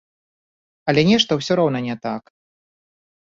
Але нешта ўсё роўна не так.